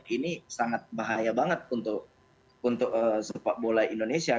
ini sangat bahaya banget untuk sepak bola indonesia